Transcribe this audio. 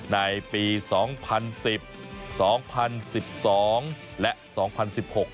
ในปีสองพันสิบสองพันสิบสองและสองพันสิบหก